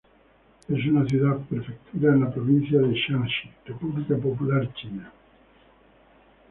Es una ciudad-prefectura en la provincia de Shanxi, República Popular China.